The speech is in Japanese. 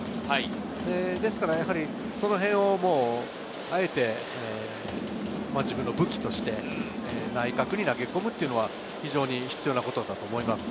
ですからそのへんをあえて自分の武器として内角に投げ込むというのは必要なことだと思います。